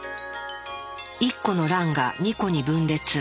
１個の卵が２個に分裂。